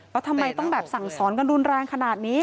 แล้วทำไมต้องแบบสั่งสอนกันรุนแรงขนาดนี้